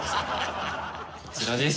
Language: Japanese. こちらです。